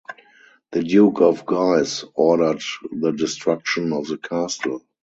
The Duke of Guise ordered the destruction of the castle.